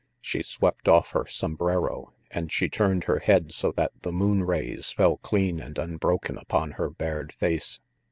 She swept off her sombrero and she turned her head so that the moon rays fell clean and unbroken upon her bared face.